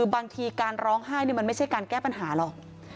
บางทีการร้องไห้มันไม่ใช่การแก้ปัญหาหรอก